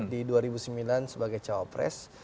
di dua ribu sembilan sebagai cawapres